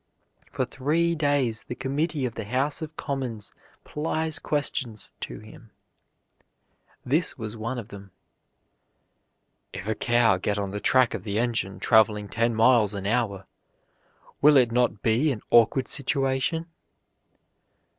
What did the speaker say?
For three days the committee of the House of Commons plies questions to him. This was one of them: "If a cow get on the track of the engine traveling ten miles an hour, will it not be an awkward situation?"